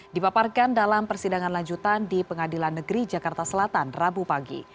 dipaparkan dalam persidangan lanjutan di pengadilan negeri jakarta selatan rabu pagi